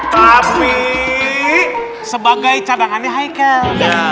tapi sebagai cadangannya haikal